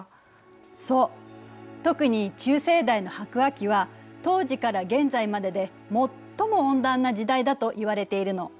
そう特に中生代の白亜紀は当時から現在までで最も温暖な時代だといわれているの。